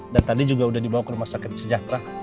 dan tadi juga udah dibawa ke rumah sakit sejahtera